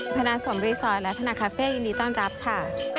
ธนาสมรีซอยและธนาคาเฟ่ยินดีต้อนรับค่ะ